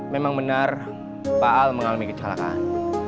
memang benar pak al mengalami kecelakaan